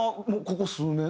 ここ数年？